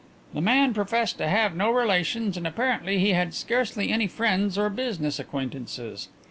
The man professed to have no relations and apparently he had scarcely any friends or business acquaintances.